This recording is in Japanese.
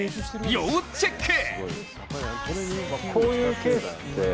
要チェック！